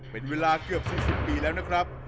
เป็นเวลาเกือบ๔๐ปีแล้วนะครับ